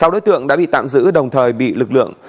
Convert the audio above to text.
sáu đối tượng đã bị tạm giữ đồng thời bị lực lượng